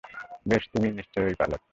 বেশ, তুমিই নিশ্চয় সেই পাইলট।